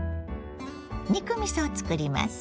肉みそを作ります。